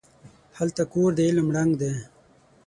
هلته کور د علم ړنګ دی